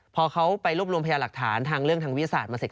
พอเขาไปรวบรวมพยาหลักฐานทางเรื่องทางวิทยาศาสตร์มาเสร็จ